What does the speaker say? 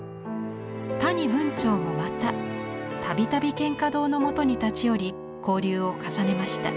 谷文晁もまた度々蒹葭堂のもとに立ち寄り交流を重ねました。